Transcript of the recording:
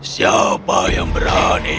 siapa yang berani